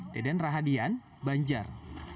deden rahadian banjar